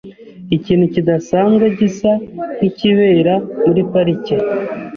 Ikintu kidasanzwe gisa nkikibera muri parike .